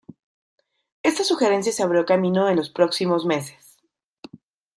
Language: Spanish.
Esta sugerencia se abrió camino en los próximos meses.